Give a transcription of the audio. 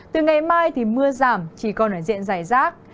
từ ngày mai thì mưa giảm chỉ còn ở diện dài rác